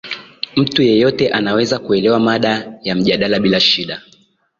mtu yeyote anaweza kuelewa mada ya mjadala bila shida